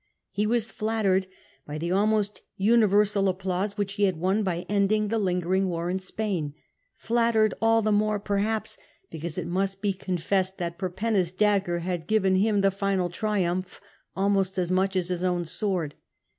He was flattered by the almost universal applause which he had won by ending the lingering war in Spain; flattered all the more, perhaps, because it must be con fessed that Perpenna's dagger had given him the final triumph almost as much as his own sword.